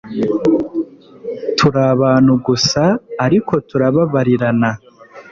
turi abantu gusa, ariko turababarirana